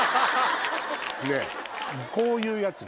こういうやつね。